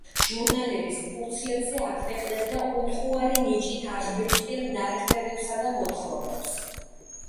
ჟურნალების ფურცლებზე აქვეყნებდა უტყუარი ნიჭით აღბეჭდილ ნარკვევებსა და მოთხრობებს.